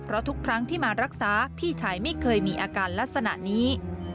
เพราะทุกครั้งที่มารักษาพี่ชายไม่เคยมีอาการลักษณะนี้